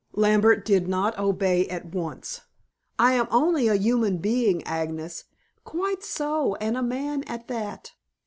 Lambert did not obey at once. "I am only a human being, Agnes " "Quite so, and a man at that.